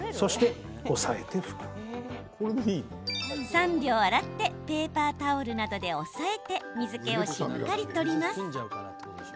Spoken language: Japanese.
３秒、洗ってペーパータオルなどで押さえて水けをしっかり取ります。